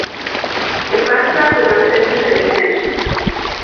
Que pasa con ascensos e descensos.